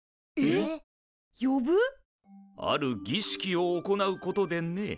あるぎしきを行うことでね。